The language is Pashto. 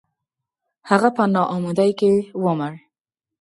• هغه په ناامیدۍ کې ومړ.